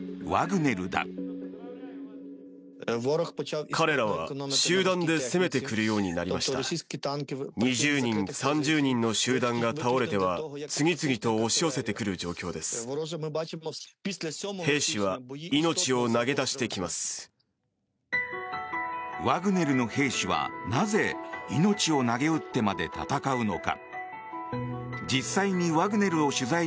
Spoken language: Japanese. ワグネルの兵士は、なぜ命をなげうってまで戦うのか。